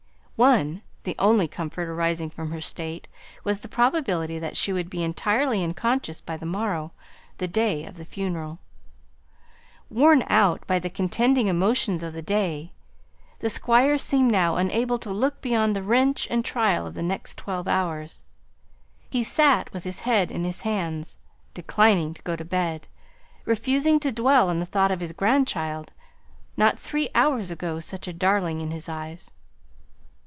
One the only comfort arising from her state was the probability that she would be entirely unconscious by the morrow the day of the funeral. Worn out by the contending emotions of the day, the Squire seemed now unable to look beyond the wrench and trial of the next twelve hours. He sate with his head in his hands, declining to go to bed, refusing to dwell on the thought of his grandchild not three hours ago such a darling in his eyes.